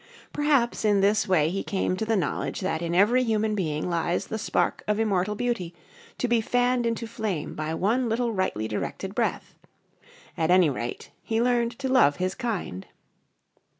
Perhaps, in this way, he came to the knowledge that in every human being lies the spark of immortal beauty, to be fanned into flame by one little rightly directed breath. At any rate, he learned to love his kind.